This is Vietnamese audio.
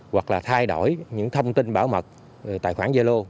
hoặc là thay đổi những thông tin bảo mật tài khoản zalo